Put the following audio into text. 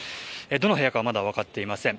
どの部屋かまだ分かっていません。